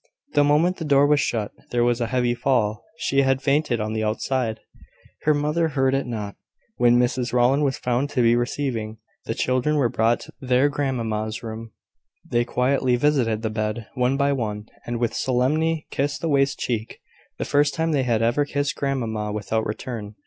The moment the door was shut, there was a heavy fall. She had fainted on the outside. Her mother heard it not. When Mrs Rowland was found to be reviving, the children were brought to their grandmamma's room. They quietly visited the bed, one by one, and with solemnity kissed the wasted cheek, the first time they had ever kissed grandmamma without return.